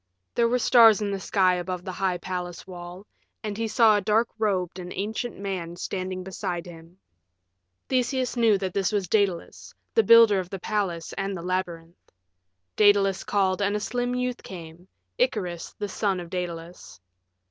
There were stars in the sky above the high palace wall, and he saw a dark robed and ancient man standing beside him. Theseus knew that this was Daedalus, the builder of the palace and the labyrinth. Daedalus called and a slim youth came Icarus, the son of Daedalus.